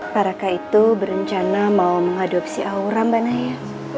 parakah itu berencana mau mengadopsi aura mbak naya